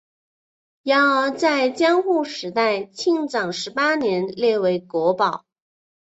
然而在江户时代庆长十八年列为国宝。